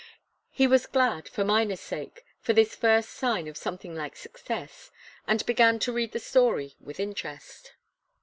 He was glad, for Miner's sake, of this first sign of something like success, and began to read the story with interest.